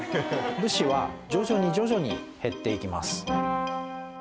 武士は徐々に徐々に減っていきます